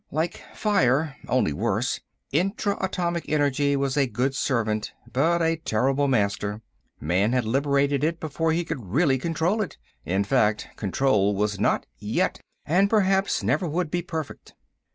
Like fire, only worse, intra atomic energy was a good servant, but a terrible master. Man had liberated it before he could really control it. In fact, control was not yet, and perhaps never would be, perfect.